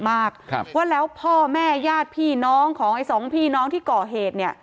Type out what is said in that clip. เข้ามาเยอะมากว่าแล้วพ่อแม่ญาติพี่น้องของไอ้๒พี่น้องที่ก่อเหตุเนี่ย